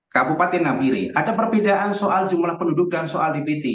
kabupaten nambiri ada perbedaan soal jumlah penduduk dan soal dpt